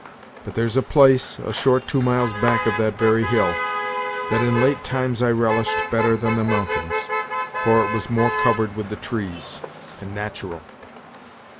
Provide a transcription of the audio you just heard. But there's a place, a short two miles back of that very hill, that in late times I relished better than the mountains: for it was more covered with the trees, and natural."